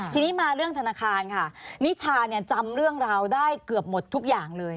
ทีนี้มาเรื่องธนาคารค่ะนิชาเนี่ยจำเรื่องราวได้เกือบหมดทุกอย่างเลย